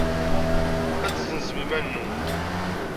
Ad tezzenzem iman-nwen.